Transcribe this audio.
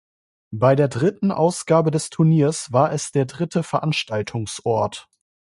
Bei der dritten Ausgabe des Turniers war es der dritte Veranstaltungsort.